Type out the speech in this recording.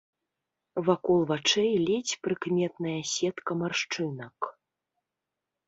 Вакол вачэй ледзь прыкметная сетка маршчынак.